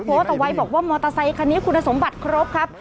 โพสต์เอาไว้บอกว่ามอเตอร์ไซคันนี้คุณสมบัติครบครับ